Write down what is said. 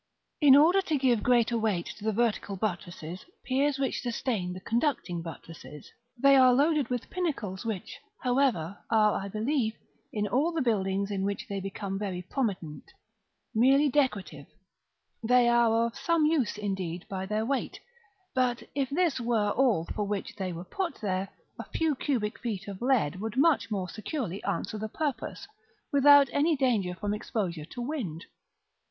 § VII. In order to give greater weight to the vertical buttress piers which sustain the conducting buttresses, they are loaded with pinnacles, which, however, are, I believe, in all the buildings in which they become very prominent, merely decorative: they are of some use, indeed, by their weight; but if this were all for which they were put there, a few cubic feet of lead would much more securely answer the purpose, without any danger from exposure to wind.